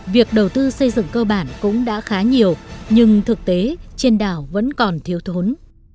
việc đầu tư xây dựng cơ bản cũng đã khá nhiều nhưng thực tế trên đảo vẫn còn thiếu thốn